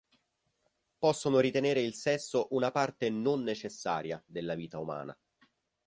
Possono ritenere il sesso una parte non necessaria della vita umana.